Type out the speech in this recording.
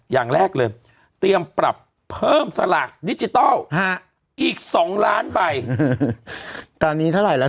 อย่างแรกเลยเตรียมปรับเพิ่มสลากดิจิทัลอีก๒ล้านใบตอนนี้เท่าไหร่แล้ว